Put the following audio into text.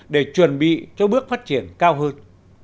để chuẩn bị cho bước phát triển cao hơn